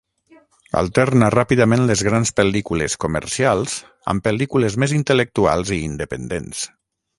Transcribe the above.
Alterna ràpidament les grans pel·lícules comercials amb pel·lícules més intel·lectuals i independents.